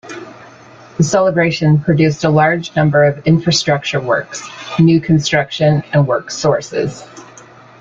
The celebration produced a large number of infrastructure works, new construction and work sources.